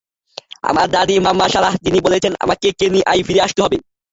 আমার দাদি মামা সারাহ, যিনি বলেছেন আমাকে কেনিয়ায় ফিরে আসতে হবে।